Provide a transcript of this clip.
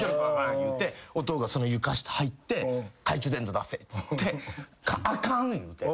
言うておとんがその床下入って「懐中電灯出せ」っつって「あかん！」言うて。